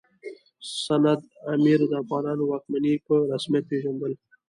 سند امیر د افغانانو واکمني په رسمیت پېژندل.